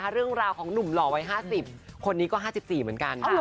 เรื่องราวของหนุ่มหล่อวัย๕๐คนนี้ก็๕๔เหมือนกัน